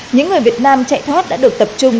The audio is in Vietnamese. những người việt nam chạy thoát đã được tập trung